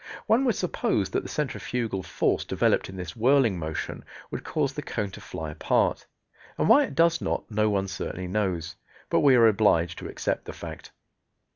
One would suppose that the centrifugal force developed in this whirling motion would cause the cone to fly apart, and why it does not no one certainly knows. But we are obliged to accept the fact.